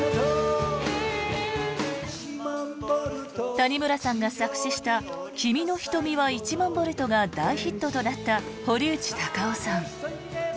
谷村さんが作詞した「君のひとみは１００００ボルト」が大ヒットとなった堀内孝雄さん。